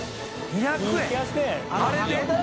「２００円」！？